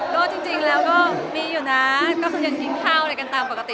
ก็จริงแล้วก็มีอยู่นะก็คือยังกินข้าวอะไรกันตามปกติ